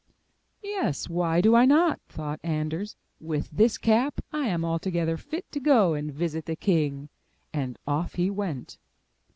'* *'Yes, why do I not?'' thought Anders. 'With this cap, I am altogether fit to go and visit the king." And off he went.